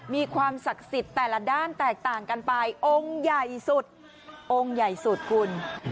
มีความศักดิ์สิทธิ์แต่ละด้านแตกต่างกันไปองค์ใหญ่สุดองค์ใหญ่สุดคุณ